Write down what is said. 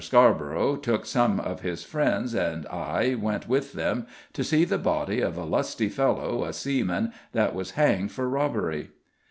Scarborough took some of his friends, and I went with them, to see the body of a lusty fellow, a seaman, that was hanged for robbery."